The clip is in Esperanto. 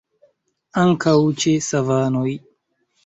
Ankaŭ ĉe savanoj.